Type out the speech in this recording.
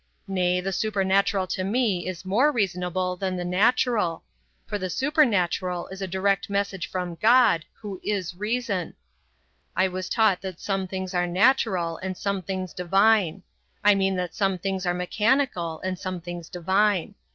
Nay, the supernatural to me is more reasonable than the natural; for the supernatural is a direct message from God, who is reason. I was taught that some things are natural and some things divine. I mean that some things are mechanical and some things divine.